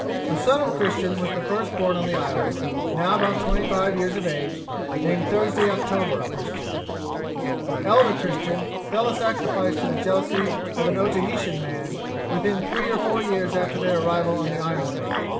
'A son of Christian was the first born on the island, now about twenty five years of age, named Thursday October Christian; the elder Christian fell a sacrifice to the jealousy of an Otaheitan man, within three or four years after their arrival on the island.